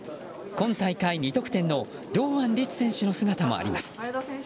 今大会２得点の堂安律選手の姿もあります。